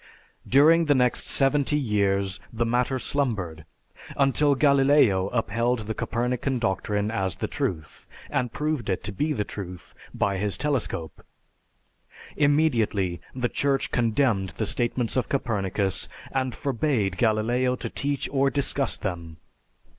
"_) During the next seventy years the matter slumbered, until Galileo upheld the Copernican doctrine as the truth, and proved it to be the truth by his telescope. Immediately the Church condemned the statements of Copernicus and forbade Galileo to teach or discuss them.